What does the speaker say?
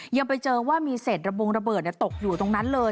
ยังไปเจอว่ามีเศษระบงระเบิดตกอยู่ตรงนั้นเลย